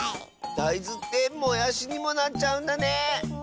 だいずってもやしにもなっちゃうんだねえ！